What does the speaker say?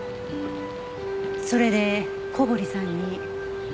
それで小堀さんに？